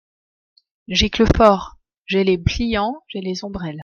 Giclefort. — J’ai les pliants, j’ai les ombrelles.